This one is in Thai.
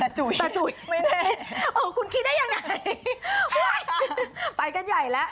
แต่จุ๋ยแต่จุ๋ยไม่ได้คุณคิดได้ยังไงไปกันใหญ่แล้ว